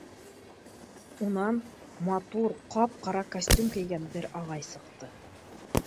Унан матур, ҡап-ҡара костюм кейгән бер ағай сыҡты.